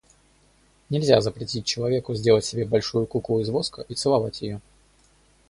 Нельзя запретить человеку сделать себе большую куклу из воска и целовать ее.